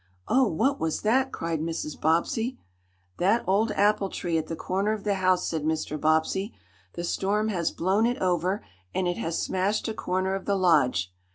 "Oh, what was that?" cried Mrs. Bobbsey. "That old apple tree, at the corner of the house," said Mr. Bobbsey. "The storm has blown it over, and it has smashed a corner of the Lodge.